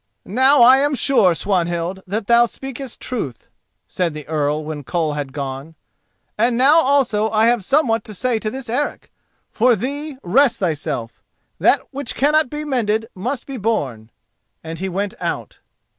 "Now I am sure, Swanhild, that thou speakest truth," said the Earl when Koll had gone. "And now also I have somewhat to say to this Eric. For thee, rest thyself; that which cannot be mended must be borne," and he went out.